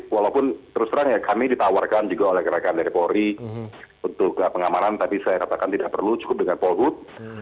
walaupun terus terang ya kami ditawarkan juga oleh gerakan dari polri untuk pengamanan tapi saya katakan tidak perlu cukup dengan polhut